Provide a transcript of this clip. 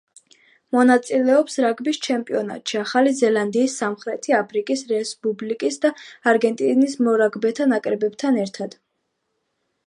მონაწილეობს რაგბის ჩემპიონატში ახალი ზელანდიის სამხრეთი აფრიკის რესპუბლიკის და არგენტინის მორაგბეთა ნაკრებებთან ერთად.